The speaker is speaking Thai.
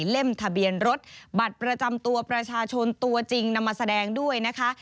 ทะเบียนรถบัตรประจำตัวประชาชนตัวจริงนำมาแสดงด้วยนะคะ